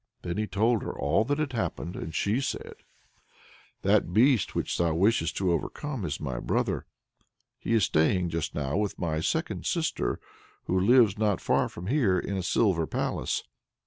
Then he told her all that had happened, and she said: "That beast which thou wishest to overcome is my brother. He is staying just now with my second sister, who lives not far from here in a silver palace.